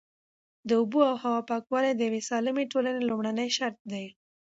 د اوبو او هوا پاکوالی د یوې سالمې ټولنې لومړنی شرط دی.